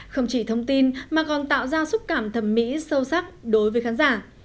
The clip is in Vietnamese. không chỉ thông tin mà còn tạo ra xúc cảm thẩm mỹ sâu sắc đối với khán giả